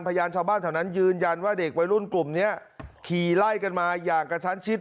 พยานชาวบ้านแถวนั้นยืนยันว่าเด็กวัยรุ่นกลุ่มนี้ขี่ไล่กันมาอย่างกระชั้นชิด